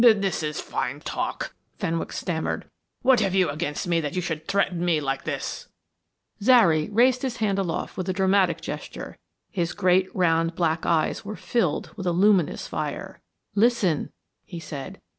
"This is fine talk," Fenwick stammered. "What have you against me that you should threaten me like this?" Zary raised his hand aloft with a dramatic gesture; his great round black eyes were filled with a luminous fire. "Listen," he said.